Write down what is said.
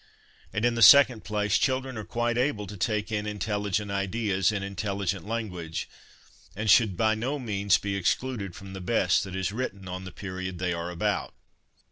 And in the second place, children are quite able to take in intelligent ideas in intelligent language, and should by no means be excluded from the best that is written on the period they are about.